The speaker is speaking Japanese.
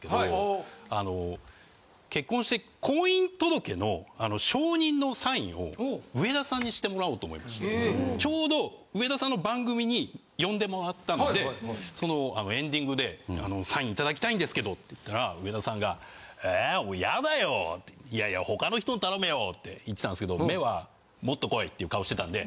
結婚して。を上田さんにしてもらおうと思いましてちょうど上田さんの番組に呼んでもらったのでそのエンディングで「サインいただきたいんですけど」って言ったら上田さんが「えやだよ！いやいや他の人に頼めよ」って言ってたんですけど目は。って顔してたんで。